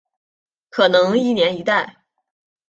可能一年一代。